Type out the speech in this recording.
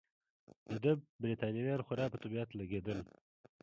د ده بریتانویان خورا په طبیعت لګېدل.